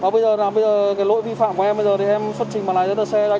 bây giờ là cái lỗi vi phạm của em bây giờ thì em xuất trình mà lại ra đợt xe ra kiểm tra nào